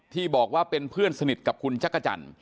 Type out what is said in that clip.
ที่บอกว่าเป็นเพื่อนสนิทกับคุณจักรจันทร์